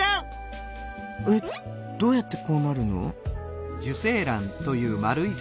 えっどうやってこうなるの？